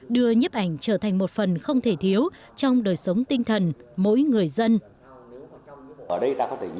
đưa nhấp ảnh trở thành một phần không thể thiếu trong đời sống tinh thần mỗi người dân